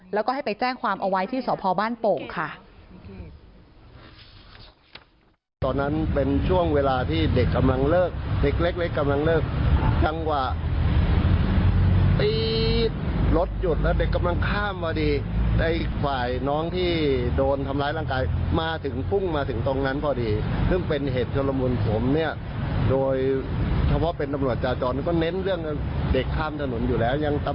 แล้วก็ให้ไปแจ้งความเอาไว้ที่สพบ้านโป่งค่ะ